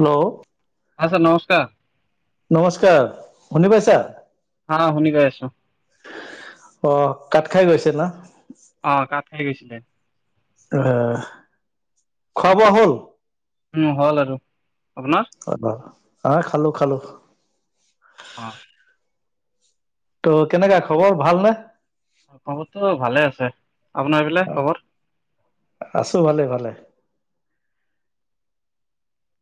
Hello? আশ্চা নমস্কাৰ নমস্কাৰ শুনি পাইছা হা শুনি গৈ আছো অ', কাত খাই গৈছে না অ', কাত খাইি গৈছিলে অ', খোৱা বোৱা হ'ল হ'ল আৰু আপোনাৰ অ', খালো খালো অ', ত' কেনেকা খবৰ ভাল নে? খবৰতটো ভালে আছে আপোনাৰ এই পিলে খবৰ আছোঁ ভালে ভালে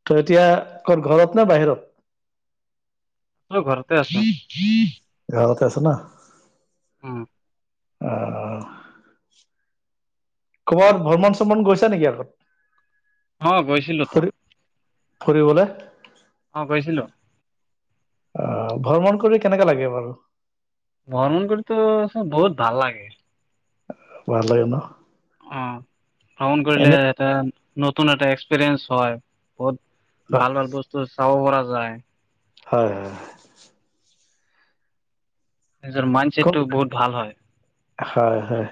ত এতিয়া আ ঘৰত নে বাহিৰত ত ঘৰতে আছ ঘৰতে আছ ন অ' অ' ক'বাত ভ্ৰমণ চ্ৰমণ গৈছে নেকি আগত অ', গৈছিলোঁ তো ফুৰিবলৈ অ', কৈছিলো অ', ভ্ৰমণ কৰি কেনেকে লাগে বাৰু ভ্ৰমণ কৰিতো চ বহুত ভাল লাগে ভাল হয় ন অ', ভ্ৰমণ কৰিলে এনে এটা নতুন এটা এক্সপেৰিয়েন্ঞ্চ হয় বহুত হয় ভাল ভাল বস্তু চাব পৰা যাই হয় হয় নিজৰ মাইণ্ডছেটটো বহুত ভাল হয়। হয় হয়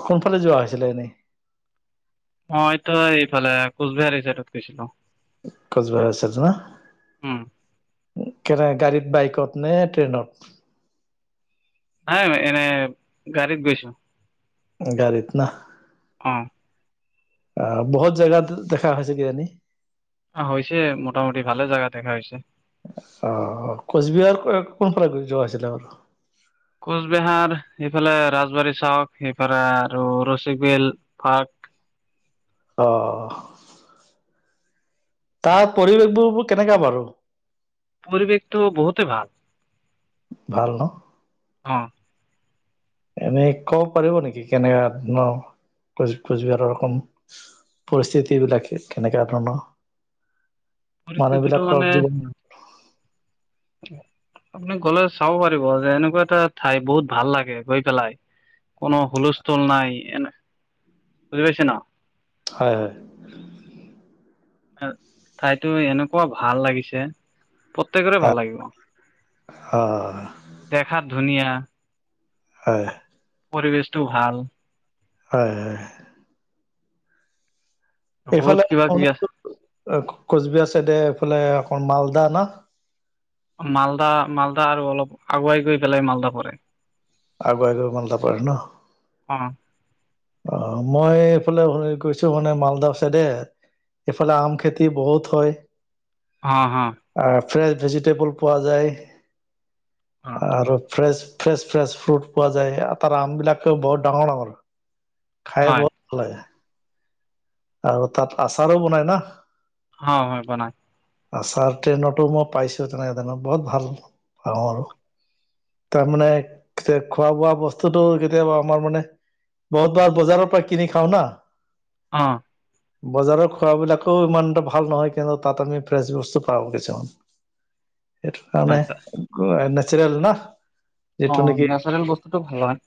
সোনফালে যোৱা হৈছিলে এনেই মইতো এইফালে কোচবিহাৰী চাইডত গৈছিলো উম [unintelligible] কেনেক গাড়ীত বাইকত নে ট্ৰেইনত নাই এনে গ়ত গৈছো গৰিত না অ বহুত জেগাত দেখা হৈছে কিজানী অ', হৈছে মোটামুটি ভালে জেগা দেখা হৈছে অ', কোচবিহাৰ কোনফাল গৈ যোৱা আছিলে বাৰু কোচবিহাৰ সেইফালে ৰাজবাৰী চাওক সেইফালে আৰু ৰচবল পাৰ্ক অ', তাৰ পৰিৱেশ বোৰোৰ কেনেকা বাৰু পৰিৱেশটো বহুতে ভাল ভাল ন অ' এনেই ক'ব পাৰিব নেকি কেনেকুৱা ধৰ কোচ কোচবিহাৰখন পৰিস্থিতি বিলাকে কেনেকা ধৰণৰ মানুহ পৰিস্থিতিটো বিলাকৰ মানে জীৱন আপুনি গ'লে চাব পাৰিব যে এনেকুৱা এটা ঠাই বহুত ভাল লাগে গৈ পেলাই কোনো হুলস্থুল নাই এনে বুজি পাইছে ন হয় হয়। ঠাইতো এনেকুৱা ভাল লাগিছে প্ৰত্যেকৰে ভাল হয় লাগিব অ দেখাত ধুনীয়া হয় পৰিৱেশটো ভাল হয় হয় বহুত এইফালে কিবা কিবি আছে শ কোচবিহাৰ চাইডে এইফালে অক মালদানাা মালদা মালদা আৰু অলপ আগুৱাই গৈ পেলাই মালদা পৰে আগ বাইগ মালত পৰাাৰ ন অ অ মই এইফালে শুনি কৈছো মানে মালদাহ চাইডে এইফালে আম খেতি বহুত হয় হ হা আহ ফ্ৰেচ ভেজিটেবল পোৱা যায় অ আৰু ফ্ৰেছ ফ্ৰেছ ফ্ৰেছ ফ্ৰুট পোৱা যায় আৰু তাৰ আমবিলাকেও বহুত ডাঙৰ ডাঙৰ খাই হয় বহৰ ভাল লাগে আৰু তাত আচাৰো বনাই না হয় হয় বনাই আছাৰ ট্ৰেইনতো মই পাইছো তেনেকে তেনে বহুত ভাল পাওঁ আৰু তাৰমানে খোৱা বোৱা বস্তুতটো কেতিয়াবা আমাৰ মানে বহুত বাৰ বজাৰৰ পৰা কিনি খাও না অঁ, বজাৰৰ খোৱাবিলাকও ইমান এটা ভাল নহয়। কিন্তু তাত আমি ফ্ৰেছ বস্তু পাওঁ কিছুমান। স হয় কাৰানে, নেচৰেল ন? অ, নেচাৰেল বস্তুতটো ভাল হয়।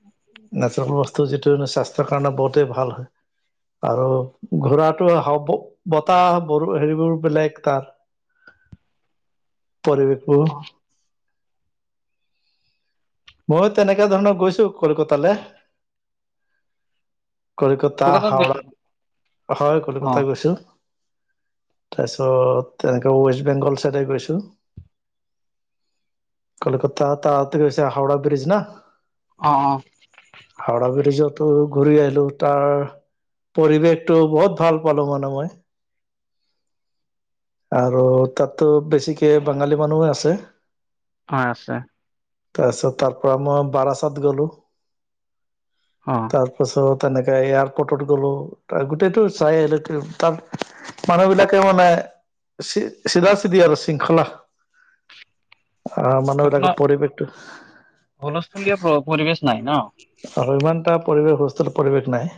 নেচাৰেল বস্তু যিটো স্বাস্থ্যৰ কাৰণে বহুতেই ভাল হয়। আৰু ঘোৰাটো বতাহ ব হেৰিবোৰ বেলেগ তাৰ। পৱেশ অ' [unintelligible] ময়ো তেনেকা ধৰণৰ গৈছো কলকাতালৈ। কলিকতা, কলকাতাত হাওৰা, গৈছে হয় অ' কলকতাত গৈছো। তাৰ পিছত তেনেকে ৱেষ্ট বেংগল চাইডে গৈছো। কলকাতা তাৰতে কৈছে হাওৰা ব্ৰিজ ন? অ অ, হাওৰা ব্ৰিজতো ঘূৰি আহিলোঁ, তাৰ পৰিৱেশটো বহুত ভাল পালোঁ মানে মই। আৰু তাতো বেছিকে বাঙালী মানুহ আছে। হয় আছে। তাৰপিছত তাৰ পৰা মই বাৰাছাত গ'লো। অঁ, তাৰপাছত তেনেকে এয়াৰপৰ্টত গ'লো, গোটেইটো চাই আহিল। তাৰ মানুহ বিলাকে মানে চিধা চিধি আৰু শৃংখলা। আহ মানুহবিলাকে পৰিৱেশটো হুলস্থলীয়া পৰিৱেশ নাই ন? আৰু ইমান এটা পৰিৱেশ সুস্থত পৰিৱেশ নাই।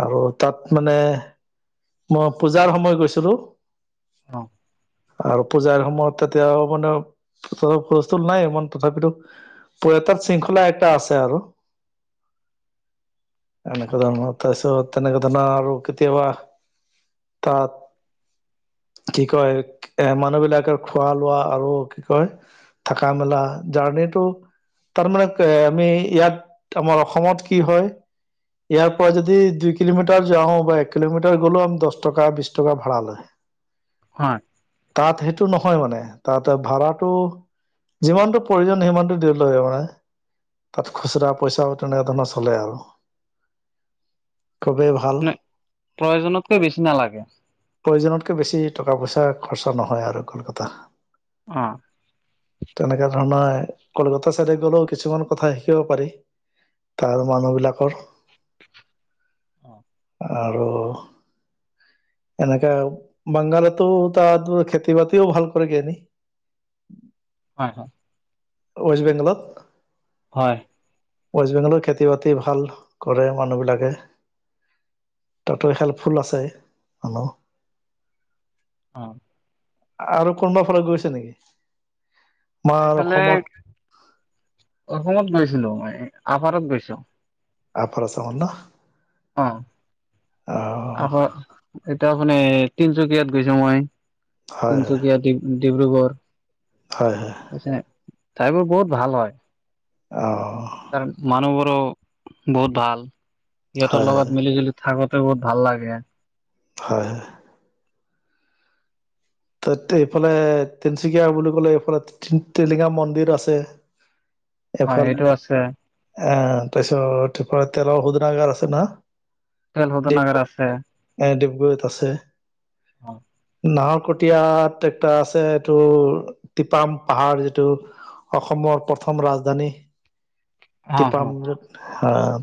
আৰু তাত মানে মই পূজাৰ সময় গৈছিলো। অ, আৰু পূজাৰ সময়ত তেতিয়া মানে ফ [unintelligible] স্থুল নাই ইমান তথাপিতো পয়টাত শৃংখলা একটা আছে আৰু এনেকুৱা ধৰণৰ। তাৰপিছত তেনেক ধনৰ আৰু কেতিয়াবা তাত কি কয়? এ মানুহ বিলাকে খোৱা লোৱা আৰু কি কয়? থকা মেলা জাৰৰ্ণীটো তাৰমানানে আমি ইয়াত আমাৰ অসমত কি হয়? ইয়াৰ পৰা যদি দুই কিলোমিটাৰ যাও বা এক কিলোমিটাৰ গ'লেও দহ টকা বিশ টকা ভাড়া লয়। হয়, তাত সেইটো নহয় মানে, তাত ভাড়াটো যিমানটো প্ৰয়োজন সিমানটো দ [unintelligible] ল মানে তাত খুচুৰা পইচাও তেনেক ধৰণৰ চলে আৰু। খুবেই ভাল মে প্ৰয়োজনতকৈ বেছি নালাগে। প্ৰয়োজনতকৈ বেছি টকা-পইচা খৰচা নহয় আৰু কলকতা অ, তেনেকা ধৰণৰ কলকাতা চাইডে গ'লেও কিছুমান কথা শিকিব পাৰি, তাৰ মানুহ বিলাকৰ। আৰু এনেকে বাংগালতো তাত খেতি বাতিওঁ ভাল কৰেগৈ [unintelligible] নি। হয় হয়, ৱেষ্ট বেংগলত। হয়, ৱেষ্ট বেংগলৰ খেতি বাতি ভাল কৰে মানুহবিলাকে। তাতো হেল্পফুল আছে, হেল্ল, অ, আৰু কোনোবাৰ ফালত গৈছে নেকি? মই আমাৰ এইফালে অসমত অসমত গৈছিলোঁ মই, আভাৰত গৈছো। আপাৰ আচাম ন? অ, অ [unintelligible] তিনচুকীয়াত গৈছো মই। হয় তিনিচুকীয়া, ডিব্ৰুগড়। হয়, হয়। ঠাইবোৰ বহুত ভাল হয়। অ, তাৰ মানুহবোৰো বহুত ভাল, হয় সিহঁতৰ হয় লগত মিলি-জুলি থাকোঁতে বহুত ভাল লাগে। হয়, হয়। ত এইফালে তিনিচুকীয়া বুলি ক'লে এইফালে টিলিঙা মন্দিৰ আছে। হয় সেইটো আছে। অ', তাৰপিছত তেলৰ শোধনাগাৰ আছে ন? তেল শোধনাগাৰ আছে। এ ডিব্ৰগড়ত আছে। অ, নাহৰকটীয়া, ট্ৰেক্টাৰ আছে এইটো টিপাম পাহাৰ যিটো অসমৰ প্ৰথম ৰাজধানী। অ টিপাম হয়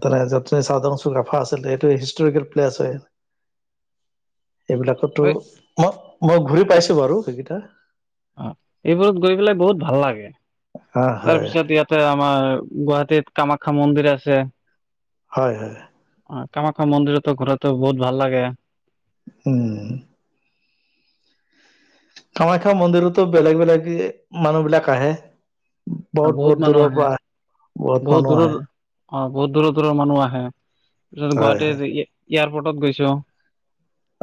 তেনে [unintelligible] আছিল এইটো হিষ্টৰিকেল প্লেচ আছে। এইবিলাকতো মই মই ঘূৰি পাইছো বাৰু সেইকেইটা। অ, এইবোৰত গৈ পেলাই বহুত ভাল লাগে হা তাৰ হয় পিছত ইয়াত। আমাৰ গুৱাহাটীত কামাখ্যা মন্দিৰ আছে। হয়, হয়। অ' কামাখ্যা মন্দিৰতো ঘূৰাতো বহুত ভাল লাগে। উম, কামাখ্যা মন্দিৰতো বেলেগ বেলেগ মানুহবিলাক আহে। বহুত বহুত মানুহ দূৰৰ আহে পৰা। বহুত মানুহ দূৰৰ আহে অ', বহুত দূৰৰ দূৰৰ মানুহ আহে [unintelligible] হয় হয় গুৱাহাটীৰ এয়াৰপৰ্টত গৈছোঁ।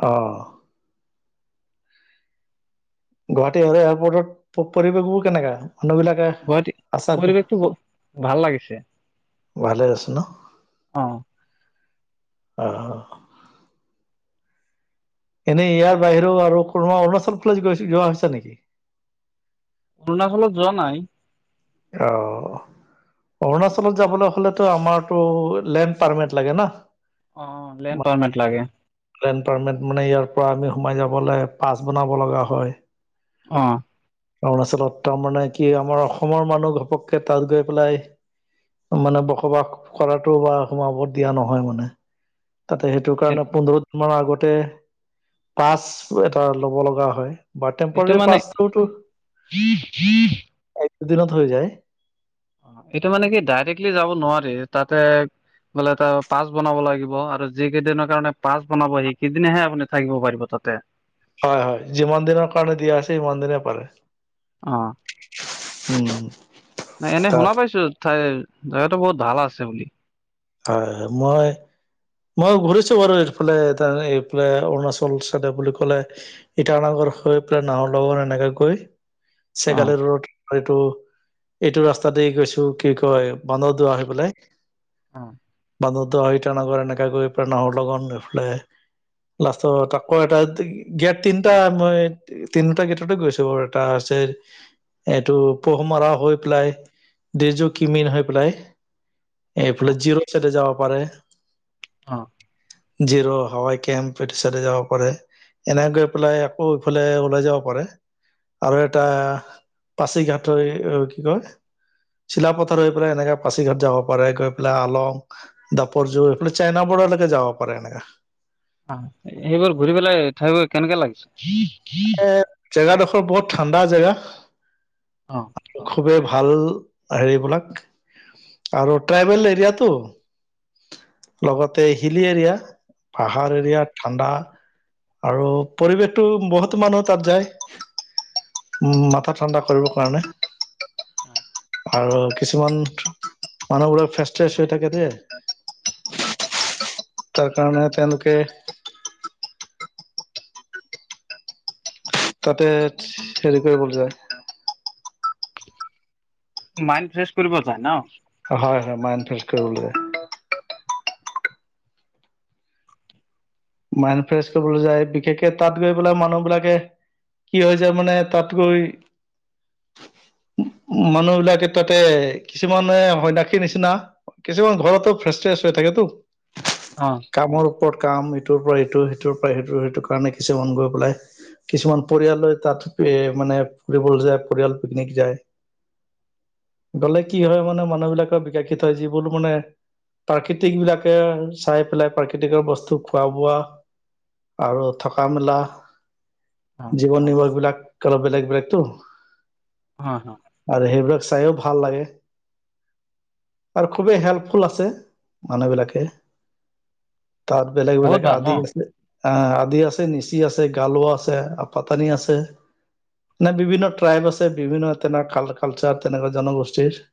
অ'। গুৱাহাটী এয়াৰপৰ্টত পৰিৱেশবোৰ কেনেকা মানুহবিলাক? গুৱাহাটী পৰিৱেশটো ভাল লাগিছে। ভালে আছে ন? অ'। অ'। এনেই ইয়াৰ বাহিৰেও আৰু কোনোবা অৰুণাচল প্ৰদেশ যোৱা হৈছে নেকি? অৰুণাচলত যোৱা নাই। অ'। অৰুণাচলত যাবলৈ হ'লেতো আমাৰতটো লেণ্ড পাৰ্মিট লাগে ন? অ', লেন পাৰমেণ্ট লাগে। লেন পাৰ্মেণ্ট মানে ইয়াৰ পৰা আমি সোমাই যাবলৈ পাছ বনাব লগা হয়। অ'। অৰুণাচলত তাৰমানে কি আমাৰ অসমৰ মানুহ ঘপককৈ তাত গৈ পেলাই মানে বসবাস কৰাতো বা সোমাব দিয়া নহয় মানে। তাতে সেইটো কাৰণে পোন্ধৰ দিন মানৰ আগতে পাচ এটা লব লগা হয়। বা এইটো টেম্পৰৰি মানে পাচ [unintelligible] দিনত হৈ যায়। এইটো মানে কি ডাইৰেক্টলি যাব নোৱাৰি তাতে। বোলে এটা পাচ বনাব লাগিব আৰু যি কেইদিনৰ কাৰণে পাছ বনাব সেইকেইদনেহে আপুনি থাকিব পাৰিব তাতে। হয় হয়, যিমান দিনৰ কাৰণে দিয়া আছে সিমান দিনে পাৰে। অ' উম না এনে শুনা তাত পাইছো তাই জাগাতটো বহুত ভাল আছে বুলি। হয় হয় মই মই ঘূৰিছো বাৰু এইফালে এইফালে অৰুণাচল চাইডে বুলি ক'লে ইটানগৰ হৈ পেলাই নাৱৰ লগত এনেকে গৈ অ'। চেগালী ৰ'ড এইটো এইটো ৰাস্তাতে গৈছো কি কয় বানদৰ দোৱা হৈ পেলাই। অ'। বান্ধৰদুৱা ইটানগৰ এনেকা গৈ পেলাই নহৰ লগন এইফালে লাষ্টৰ তাকৌ এটা গেট তিনিটা মই তিনিটা গেটত গৈছো বাৰু এটা হৈছে এইটো পোহ মৰা হৈ পেলাই ডিজ কিমিন হৈ পেলাই এইফালে অ', জিৰ' চছেটে যাবা পাৰে। অ'। যিৰ' হাৱাই কেম্প এইটো চাইড যাব পাৰে। এনেকে গৈ পেলাই আকৌ ইফালে ওলাই যাব পাৰে। আৰু এটা পাচি ঘাটৰ কি কয় চিলাপথাৰ হৈ পেলাই এনেকা পাচি ঘাট যাব পাৰে। এইফ আলং দাপৰ জু এইফাল চাইনা বৰ্ডাৰলৈকে যাব পাৰে এনেকা। অ' সেইবোৰ ঘূৰি পেলাই থঠাইবোৰ কেনেকে লাগিছে? এ, জেগাডোখৰ বহুত ঠাণ্ডা জেগা। অ'। খুবেই ভাল হেৰিবিলাক আৰু ট্ৰাইবেল এৰিয়াতো লগতে হিলি এৰিয়া। পাহাৰ অ এৰিয়া ঠাণ্ডা আৰু পৰিৱেশটো বহুত বহুতো মানুহ তাত যায় উ, মাথা ঠাণ্ডা কৰিবৰ কাৰণে। অ'। আৰু কিছুমান মানুহবোৰে ফ্ৰেচ ট্ৰেচ হৈ থাকে যে তাৰ কাৰণে তেওঁলোকে তাতে হেৰি কৰিবলৈ যায়। মাইণ্ড ফ্ৰেছ কৰিব যায় ন'? হয়, হয়, মাইণ্ড ফ্ৰেচ কৰিবলৈ যায়। মাইণ্ড ফ্ৰেছ কৰিবলৈ যায়, বিশেষকে তাত গৈ পেলাই মানুহবিলাকে কি হৈ যায় মানে, তাত গৈ উ, মানুহ বিলাকে তাতে কিছুমানে সন্যাসীৰ নিচিনা কিছুমান ঘৰতো ফ্ৰেচ ট্ৰেচ হৈ থাকেতো অ',। কামৰ ওপৰত কাম ইটোৰ পৰা ইটো সিটোৰ পৰা সিটো সেইটো কাৰণে কিছুমান গৈ পেলাই কিছুমান পৰিয়ালে তাত মানে ফুৰিবলৈ যায়, পৰিয়াল পিকনিক যায়। গলে কি হয় মানে, মানুহ বিলাকৰ বিকশিত হয় যিবোৰ মানে প্ৰাকৃতিক বিলাকে চাই পেলাই প্ৰাকৃতিকৰ বস্তু খোৱা বোৱা আৰু থকা মেলা অ', জীৱন নিবাৰ্ হবিলাক কালপ বেলেগ বেলেগতো হা, হা। আৰু, সেইবিলাক চাইও ভাল লাগে। আৰু খুবেই হেল্পফুল আছে মানুহবিলাকে। বেলেগ বহুত বেলেগ ভাল ন? আদি আছে আ, আদি আছে, নিচি আছে, গালোৱা আছে, পাতানি আছে। নাই বিভিন্ন ট্ৰাইব আছে বিভিন্ন তেনেকোৱা কালচাৰ তেনেকুৱা জনগোষ্ঠীৰ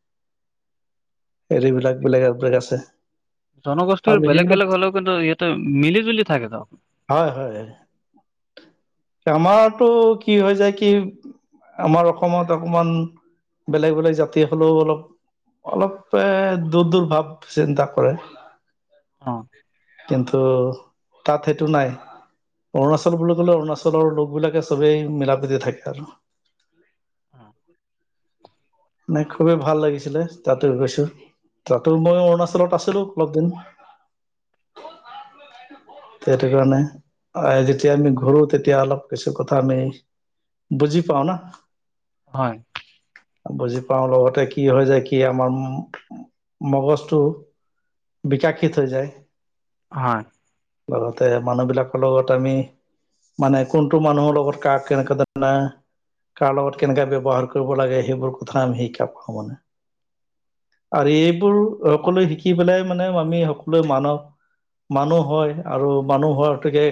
হেৰিবিলাক বেলেগ আৰু বেলেগ আছে। আৰু জনগোষ্ঠীৰ বেলেগ সেইবিলাক বেলেগ হ'লেও কিন্তু ইয়াহতে মিলি জুলি থাকে [unintelligible] হয়, হয়, আমাৰতটো কি হৈ যায় কি আমাৰ অসমত অকমান বেলেগ বেলেগ জাতি হলেও অলপ অলপ দূৰ দূৰ ভাৱ চিন্তা কৰে। অ'। কিন্তু তাতে এইটো নাই অৰুণাচল বুলি ক'লে অৰুণাচলৰ লোক বিলাকে চবেই মিলা- প্ৰীতি থাকে আৰু অ মানে খুবেই ভাল লাগিছিলে তাতো গৈছো তাতো মই অৰুণাচলত আছিলো অলপ দিন। [unintelligible] সিটো কাৰণে যেতিয়া আমি ঘুৰো তেতিয়া অলপ কিছু কথা আমি। - বুজি পাও না হয়। বুজি পাওঁ লগতে কি হয় যায় কি আমাৰ ম-মগজটো বিকাশিত হৈ যায়। হয়। লগতে মানুহবিলাকৰ লগত আমি মানে কোনটো মানুহৰ লগৰ, কাক কেনেকা [unintelligible] কাৰ লগত কেনেকা ব্যৱহাৰ কৰিব লাগে সেইবোৰ কথা আমি শিকা পাওঁ মানে। আৰু এইবোৰ সকলোৱে শিকি পেলাই মানে আমি সকলোৱে মানৱ মানুহ হয়, আৰু মানুহ হোৱাটোকে